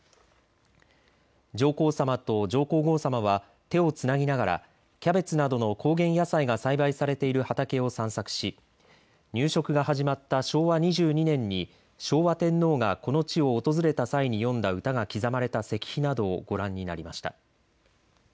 上皇さまと上皇后さまは手をつなぎながらキャベツなどの高原野菜が栽培されている畑を散策し入植が始まった昭和２２年に昭和天皇がこの地を訪れた際に詠んだ歌が刻まれた石碑などをご覧になりました。